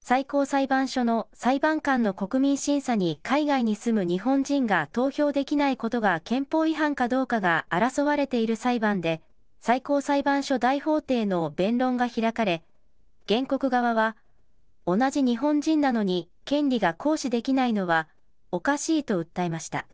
最高裁判所の裁判官の国民審査に海外に住む日本人が投票できないことが憲法違反かどうかが争われている裁判で、最高裁判所大法廷の弁論が開かれ、原告側は、同じ日本人なのに、権利が行使できないのはおかしいと訴えました。